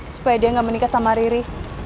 supaya dia nggak menikah sama riri